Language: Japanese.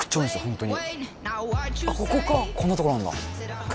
ホントにあっここかあっこんなとこなんだ